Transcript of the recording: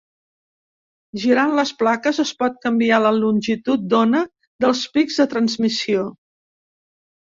Girant les plaques es pot canviar la longitud d'ona dels pics de transmissió.